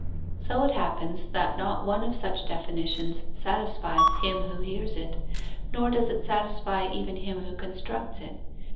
So it happens that not one of such definitions satisfies him who hears it, nor does it satisfy even him who constructs it.